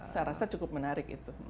saya rasa cukup menarik itu